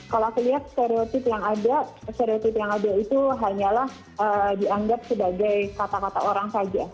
kalau aku lihat stereotip yang ada stereotip yang ada itu hanyalah dianggap sebagai kata kata orang saja